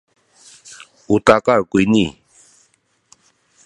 u takal kuyni